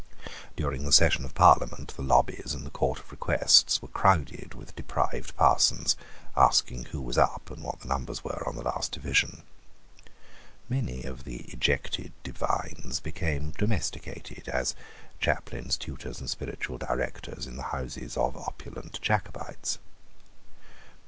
During the session of Parliament the lobbies and the Court of Requests were crowded with deprived parsons, asking who was up, and what the numbers were on the last division. Many of the ejected divines became domesticated, as chaplains, tutors and spiritual directors, in the houses of opulent Jacobites.